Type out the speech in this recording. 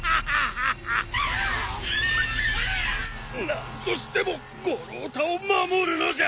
何としても五郎太を守るのじゃ！